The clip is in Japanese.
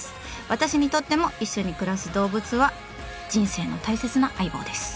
私にとっても一緒に暮らす動物は人生の大切な相棒です。